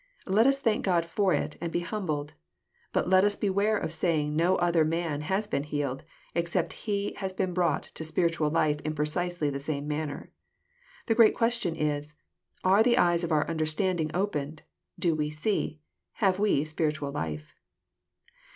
Let us thank God for it, and be humbled. But let us beware of saying that no other man has been healed, except he has been brought to spir« itual life in precisely the same manner. The great ques tion is, — ^'Are the eyes of our understanding opened? Do we see? Have we spiritual life?"